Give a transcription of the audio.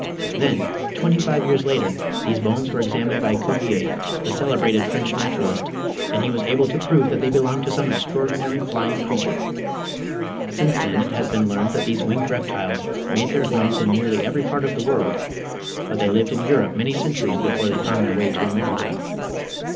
Then, twenty five years later, these bones were examined by Cuvier, the celebrated French naturalist, and he was able to prove that they belonged to some extraordinary flying creature. Since then it has been learned that these winged reptiles made their homes in nearly every part of the world, but they lived in Europe many centuries before they found their way to America.